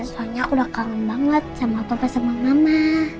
soalnya udah kangen banget sama papa sama mama